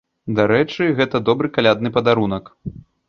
Дарэчы, гэта добры калядны падарунак!